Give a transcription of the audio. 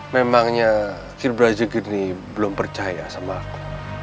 memangnya ki belajar gini belum percaya sama aku